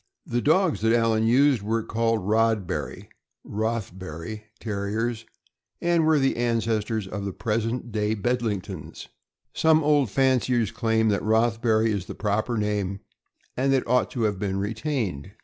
The dogs that Allan use^d were called Rodberry (Roth bury) Terriers, and were the ancestors of the present day (395) 396 THE AMERICAN BOOK OF THE DOG. Bedlingtons. Some old fanciers claim that Rothbury is tlie proper name and that it ought to have been retained.